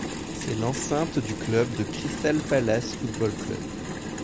C'est l'enceinte du club de Crystal Palace Football Club.